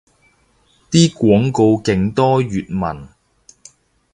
啲廣告勁多粵文